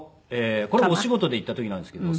これお仕事で行った時なんですけど。